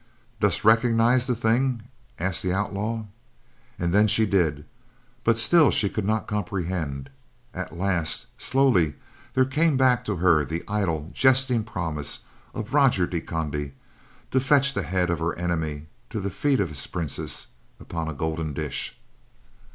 "Dost recognize the thing?" asked the outlaw. And then she did; but still she could not comprehend. At last, slowly, there came back to her the idle, jesting promise of Roger de Conde to fetch the head of her enemy to the feet of his princess, upon a golden dish.